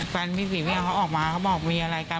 แฟนพี่ศรีเมียเขาออกมาเขาบอกมีอะไรกัน